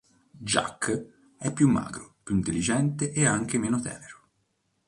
Giac è più magro, più intelligente e anche meno tenero.